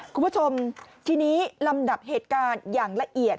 คุณผู้ชมทีนี้ลำดับเหตุการณ์อย่างละเอียด